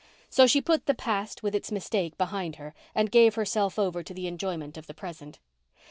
So she put the past with its mistake behind her and gave herself over to enjoyment of the present.